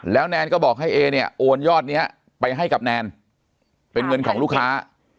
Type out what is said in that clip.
แล้วแนนก็บอกให้เอเนี่ยโอนยอดนี้ไปให้กับแนนเป็นเงินของลูกค้า